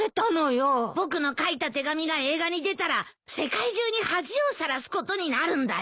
僕の書いた手紙が映画に出たら世界中に恥をさらすことになるんだよ？